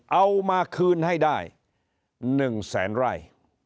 เอามาคืนให้ได้๑แสนไร่